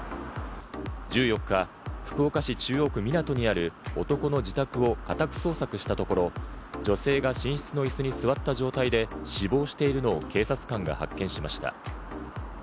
１４日、福岡市中央区港にある男の自宅を家宅捜索したところ、女性が寝室の椅子に座った状態で死亡しているのを警察官が発見しました。